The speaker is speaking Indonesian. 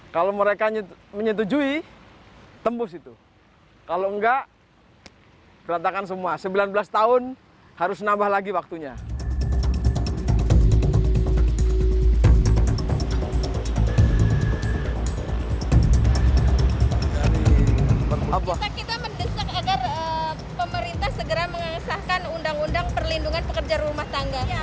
kita mendesak agar pemerintah segera mengesahkan undang undang perlindungan pekerja rumah tangga